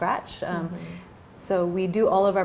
jadi kami melakukan semua